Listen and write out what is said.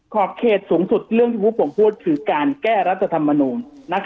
ข่อเขตสูงสุดแล้วกล้ารัฐธรรมนุม